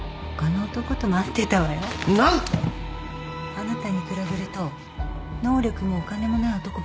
あなたに比べると能力もお金もない男ばっかりだった。